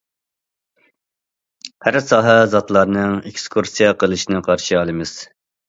ھەر ساھە زاتلارنىڭ ئېكسكۇرسىيە قىلىشىنى قارشى ئالىمىز.